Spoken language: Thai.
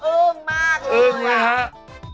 อึ้งมากเลยอึ้งไหมครับ